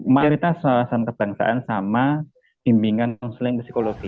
majoritas wawasan kebangsaan sama bimbingan konseling psikologi